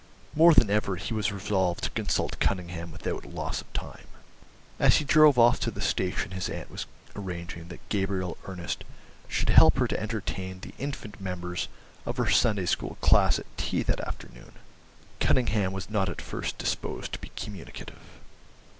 More than ever he was resolved to consult Cunningham without loss of time. As he drove off to the station his aunt was arranging that Gabriel Ernest should help her to entertain the infant members of her Sunday school class at tea that afternoon. Cunningham was not at first disposed to be communicative.